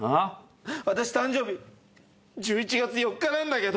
私誕生日１１月４日なんだけど。